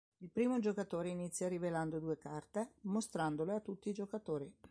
Il primo giocatore inizia rivelando due carte, mostrandole a tutti i giocatori.